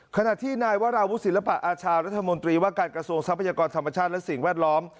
ขณะที่นายวราวุศิลปะอาชารัฐมนตรีว่าการกระทรวงทรัพยากรธรรมชาติและสิ่งแวดล้อม